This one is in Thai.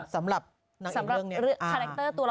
สำหรับคาแรคเตอร์ตัวเรา